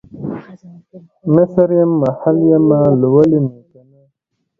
مصریم ، محل یمه ، لولی مې کنه